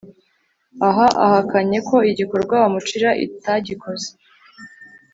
aba ahakanye ko igikorwa bamucira atagikoze